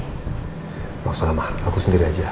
tidak usah namah aku sendiri aja